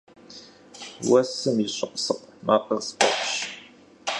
Уэсым и щӏыкъ-сыкъ макъыр сфӏэфӏщ.